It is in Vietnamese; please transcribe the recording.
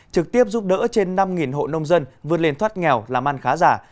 trực tiếp giúp đỡ trên năm hộ nông dân vươn lên thoát nghèo làm ăn khá giả